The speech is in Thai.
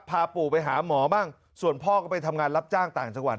พาปู่ไปหาหมอบ้างส่วนพ่อก็ไปทำงานรับจ้างต่างจังหวัด